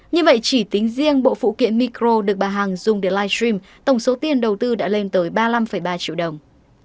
như vậy chỉ tính riêng bộ phụ kiện micro được bà hằng dùng để live stream tổng số tiền đầu tư đã lên tới ba mươi năm ba triệu đồng